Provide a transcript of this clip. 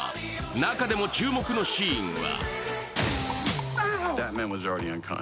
中でも注目のシーンは。